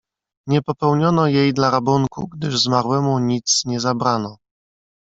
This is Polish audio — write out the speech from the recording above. "Nie popełniono jej dla rabunku, gdyż zmarłemu nic nie zabrano."